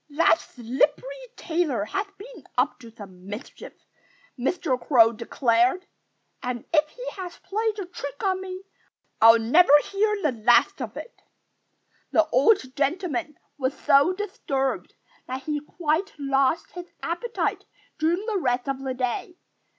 "That slippery tailor has been up to some mischief," Mr. Crow declared. "And if he has played a trick on me I'll never hear the last of it." The old gentleman was so disturbed that he quite lost his appetite during the rest of the day.